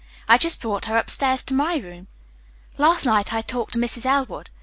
I just brought her upstairs to my room. "Last night I talked with Mrs. Elwood.